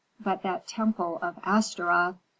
But that temple of Astaroth!